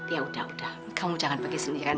ya sudah kamu jangan pergi sendiri